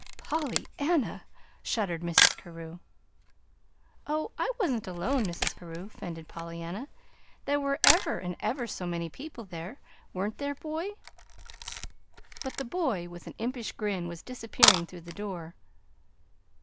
Pollyanna!" shuddered Mrs. Carew. "Oh, I wasn't alone, Mrs. Carew," fended Pollyanna. "There were ever and ever so many people there, weren't there, boy?" But the boy, with an impish grin, was disappearing through the door.